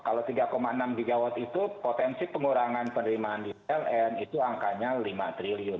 kalau tiga enam gigawatt itu potensi pengurangan penerimaan di pln itu angkanya lima triliun